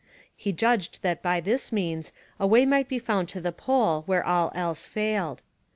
He judged that by this means a way might be found to the Pole where all else failed.